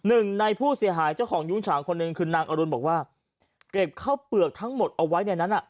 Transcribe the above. หนึ่งในผู้เสียหายเจ้าของยุ้งฉางคนหนึ่งคือนางอรุณบอกว่าเก็บข้าวเปลือกทั้งหมดเอาไว้ในนั้นอ่ะ